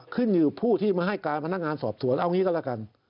ขึ้นอยู่ผู้ที่มาให้การพนักงานสอบสวนเอางี้ก็แล้วกัน